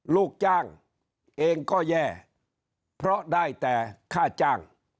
ลูกจ้างเองก็แย่เพราะได้แต่ค่าจ้าง